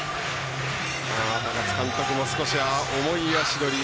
高津監督も少し重い足取り。